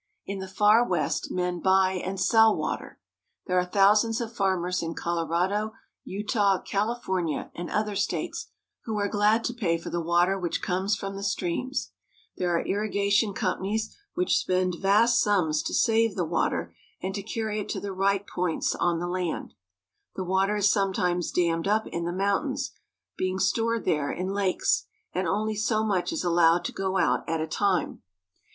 In the far West men buy and sell water. There are thousands of farmers in Colorado, Utah, California, and other states who are glad to pay for the water which comes from the streams. There are irrigation companies, which spend 3 ~^M ^^^^ TO^^^^' i u* ■' 1' if L \—A V"r— 1 "^ 1 I '"■'.•■ !i^ Hi An Irrigation Canal. vast sums to save the water and to carry It to the right points on the land. The water is sometimes dammed up in the mountains, being stored there in lakes, and only so much is allowed to go out at a time.